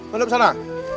kemudian ke sana